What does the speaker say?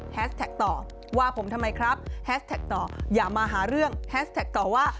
แท็กต่อว่าผมทำไมครับแฮสแท็กต่ออย่ามาหาเรื่องแฮสแท็กต่อว่า